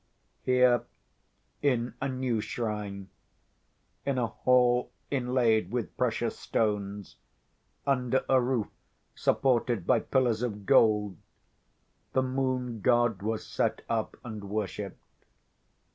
Here, in a new shrine—in a hall inlaid with precious stones, under a roof supported by pillars of gold—the moon god was set up and worshipped.